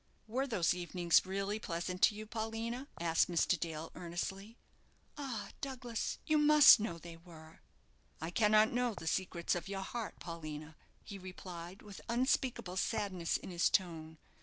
"Were those evenings really pleasant to you, Paulina?" asked Mr. Dale, earnestly. "Ah, Douglas, you must know they were!" "I cannot know the secrets of your heart, Paulina," he replied, with unspeakable sadness in his tone.